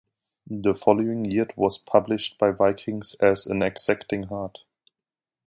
The following year it was published by Viking as "An Exacting Heart".